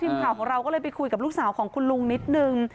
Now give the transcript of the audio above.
ทีมข่าวของเราก็เลยไปคุยกับลูกสาวของคุณลุงนิดนึง